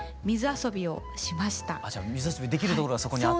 じゃあ水遊びできるところがそこにあって。